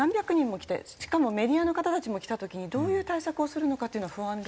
しかもメディアの方たちも来た時にどういう対策をするのかっていうのは不安で。